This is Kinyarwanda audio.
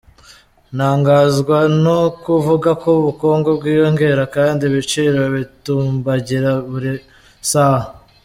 ntangazwa no kuvuga ko ubukungu bwiyongera kandi ibiciro bitumbagira buri saha.